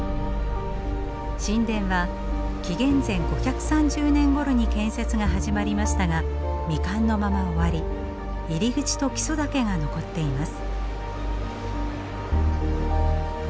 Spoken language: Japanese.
神殿は紀元前５３０年ごろに建設が始まりましたが未完のまま終わり入り口と基礎だけが残っています。